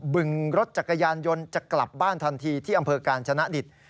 บึงรถจักรยานยนต์จะกลับบ้านทันทีที่อำเภอกาญชนะดิต